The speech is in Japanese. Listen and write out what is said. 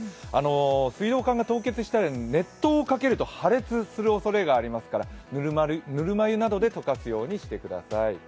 水道管が凍結したら熱湯をかけると破裂するおそれがありますからぬるま湯などで溶かすようにしてください。